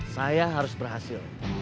saya harus berhasil